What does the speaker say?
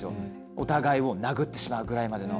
お互いを殴ってしまうぐらいまでの。